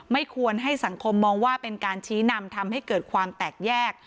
ไม่ควรให้สังคมมองว่าเป็นการชี้นำทำให้เกิดความแตกแยก